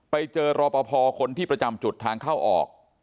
ไปเจอรอปภคนที่ประจำจุดทางเข้าออก